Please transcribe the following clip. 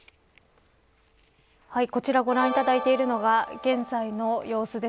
こちら、ご覧いただいてるのが現在の様子です。